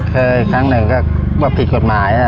เต้ออีกครั้งหนึ่งก็ว่าผิดกฎหมาย